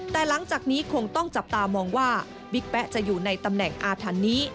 แต่หลังจากนี้คงต้องจับตามองว่าบิ๊กแป๊ะจะอยู่ในตำแหน่งอาถรรพ์นี้